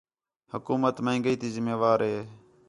حکومت مہنگائی تی ذمہ وار ہے